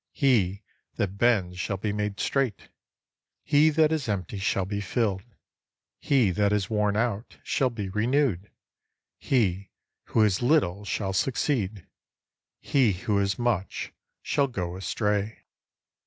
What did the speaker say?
He that bends shall be made straight. He that is empty shall be filled. He that is worn out shall be renewed. He who has little shall succeed. He who has much shall go astray.